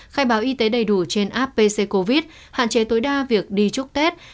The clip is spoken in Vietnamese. khai báo y tế đầy đủ trên app pccovid hạn chế tối đa việc đi chúc tết